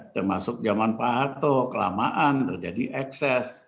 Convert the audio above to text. termasuk zaman pak harto kelamaan terjadi ekses